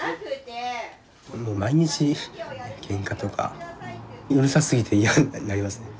毎日けんかとかうるさすぎて嫌になりますね。